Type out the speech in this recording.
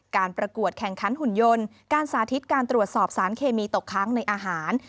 การประกวดแข่งขันหุ่นยนต์การสาธิตการตรวจสอบสารเคมีตกค้างในอาหาร